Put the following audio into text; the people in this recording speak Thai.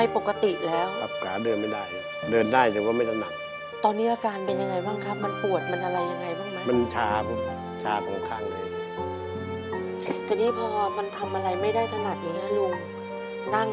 เป็นน้องมะหวานน้องมะหวานดัน